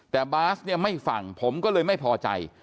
แต่บาสเนี่ยไม่ฟังผมก็เลยไม่พอใจ